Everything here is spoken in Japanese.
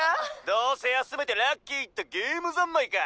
どうせ休めてラッキーってゲーム三昧か？